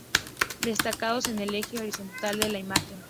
Destacados en el eje horizontal de la imagen.